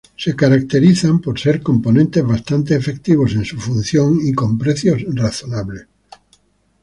Se caracterizan por ser componentes bastante efectivos en su función y con precios razonables.